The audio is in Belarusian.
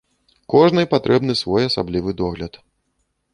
Кожнай патрэбны свой асаблівы догляд.